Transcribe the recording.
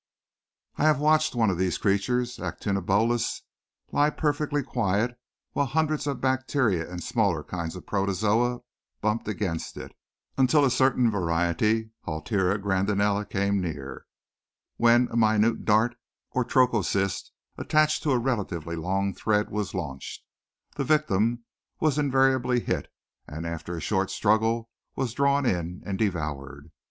I have watched one of these creatures (Actinobolus) lie perfectly quiet while hundreds of bacteria and smaller kinds of protozoa bumped against it, until a certain variety (Halteria grandinella) came near, when a minute dart, or 'trochocyst,' attached to a relatively long thread, was launched. The victim was invariably hit, and after a short struggle was drawn in and devoured.